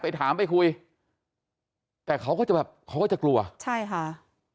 ถามไปคุยแต่เขาก็จะแบบเขาก็จะกลัวใช่ค่ะ